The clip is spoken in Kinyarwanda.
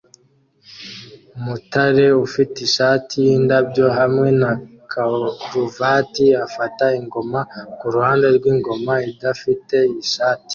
Umutare ufite ishati yindabyo hamwe na karuvati afata ingoma kuruhande rwingoma idafite ishati